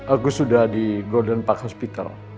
aku sudah di golden park hospital